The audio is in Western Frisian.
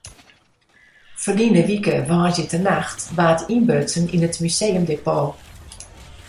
Ferline wike woansdeitenacht waard ynbrutsen yn it museumdepot.